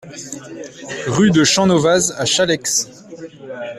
Rue de Champnovaz à Challex